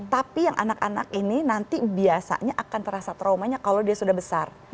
tapi yang anak anak ini nanti biasanya akan terasa traumanya kalau dia sudah besar